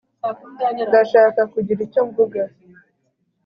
ndashaka kugira icyo mvuga